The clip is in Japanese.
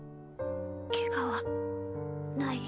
ケガはない？